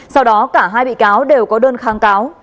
sau đó cả hai bị cáo đều có đơn kháng cáo